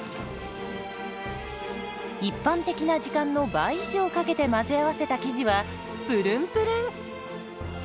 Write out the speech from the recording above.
一般的な時間の倍以上かけて混ぜ合わせた生地はプルンプルン。